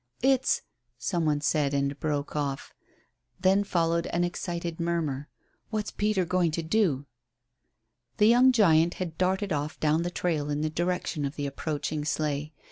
"It's " some one said and broke off. Then followed an excited murmur. "What's Peter going to do?" The young giant had darted off down the trail in the direction of the approaching sleigh.